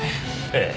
ええ。